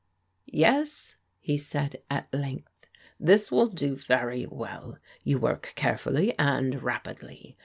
(" Yes," he said at length, " this will do very well. You work carefully and rapidly.